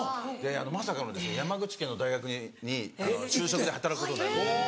まさかの山口県の大学に就職で働くことになりまして。